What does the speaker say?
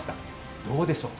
どうでしょうか？